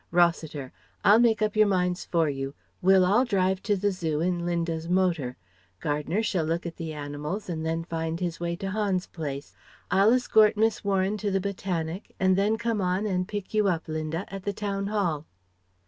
Rossiter: "I'll make up your minds for you. We'll all drive to the Zoo in Linda's motor. Gardner shall look at the animals and then find his way to Hans Place. I'll escort Miss Warren to the Botanic, and then come on and pick you up, Linda, at the Town Hall."